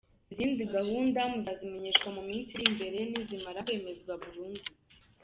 Izindi gahunda muzazimenyeshwa mu minsi iri imbere nizimara kwemezwa burundu.